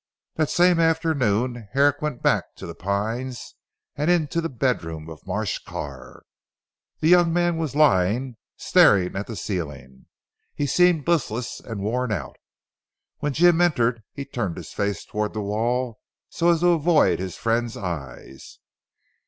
That same afternoon Herrick went back to "The Pines" and into the bedroom of Marsh Carr. The young man was lying staring at the ceiling. He seemed listless and worn out. When Jim entered he turned his face towards the wall so as to avoid his friend's eyes.